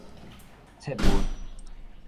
切勿